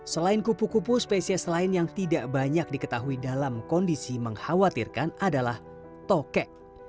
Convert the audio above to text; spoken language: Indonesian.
selain kupu kupu spesies lain yang tidak banyak diketahui dalam kondisi mengkhawatirkan adalah tokek